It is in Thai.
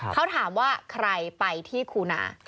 เขาถามว่าใครไปที่คูนา